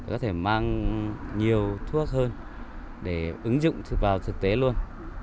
có thể mang nhiều thuốc hơn để ứng dụng vào thực tế luôn